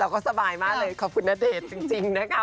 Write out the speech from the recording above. ก็สบายมากเลยขอบคุณณเดชน์จริงนะคะ